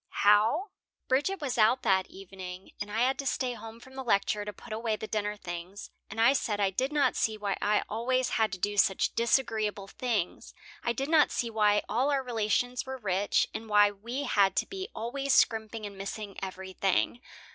"How?" "Bridget was out that evening, and I had to stay home from the lecture to put away the dinner things and I said I did not see why I always had to do such disagreeable things. I did not see why all our relations were rich, and why we had to be always scrimping and missing everything.